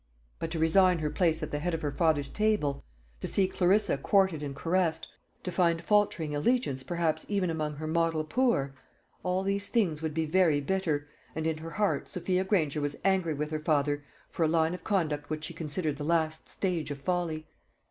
But to resign her place at the head of her father's table, to see Clarissa courted and caressed, to find faltering allegiance perhaps even among her model poor all these things would be very bitter, and in her heart Sophia Granger was angry with her father for a line of conduct which she considered the last stage of folly.